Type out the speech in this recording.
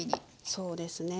そうですね。